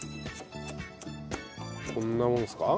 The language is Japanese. こんなもんですか？